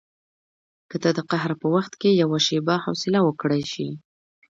که ته د قهر په وخت کې یوه شېبه حوصله وکړای شې.